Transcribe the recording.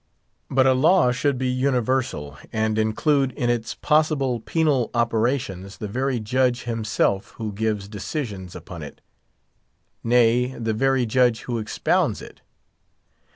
But a law should be "universal," and include in its possible penal operations the very judge himself who gives decisions upon it; nay, the very judge who expounds it.